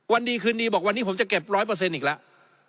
วันดีคืนดีบอกวันนี้ผมจะเก็บ๑๐๐อีกแล้ว